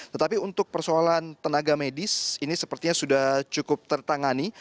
tetapi untuk persoalan tenaga medis ini sepertinya sudah cukup tertangani